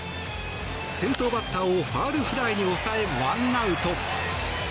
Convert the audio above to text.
先頭バッターをファウルフライに抑えワンアウト。